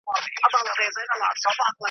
اوس د شیخانو له شامته شهباز ویني ژاړي .